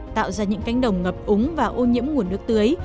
tạo ra những cánh đồng ngập úng và ô nhiễm nguồn nước tưới